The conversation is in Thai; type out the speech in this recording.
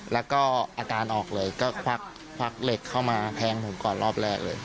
แล้วก็อาการออกเลยก็ควักเหล็กเข้ามาแทงผมก่อนรอบแรกเลย